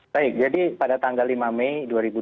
baik jadi pada tanggal lima mei dua ribu dua puluh